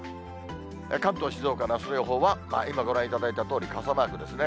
関東、静岡のあすの予報は、今ご覧いただいたとおり傘マークですね。